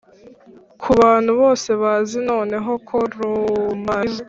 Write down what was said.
kubantu bose bazi noneho ko rum arinze.